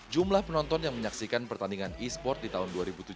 jumlah penonton yang menyaksikan pertandingan e sport di tahun dua ribu tujuh belas